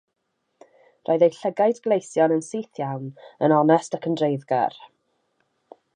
Roedd ei llygaid gleision yn syth iawn, yn onest ac yn dreiddgar.